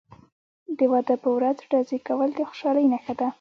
د واده په ورځ ډزې کول د خوشحالۍ نښه ده.